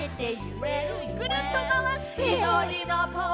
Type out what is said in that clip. ぐるっとまわして。